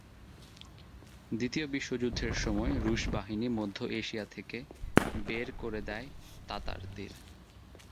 দ্বিতীয় বিশ্বযুদ্ধের সময় রুশ বাহিনী মধ্য এশিয়া থেকে বের করে দেয় তাতারদের।